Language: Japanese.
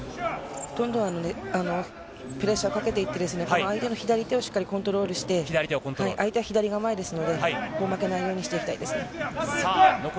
どんどんプレッシャーかけていって相手の左手をコントロールして相手は左構えですのでここも負けないようにしていきたいですね。